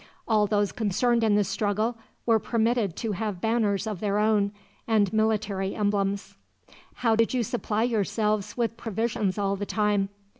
All those concerned in the struggle were permitted to have banners of their own, and military emblems." "How did you supply yourselves with provisions all the time?"